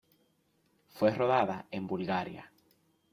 Fue rodada en Bulgaria.